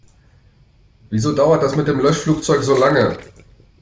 Wieso dauert das mit dem Löschflugzeug so lange?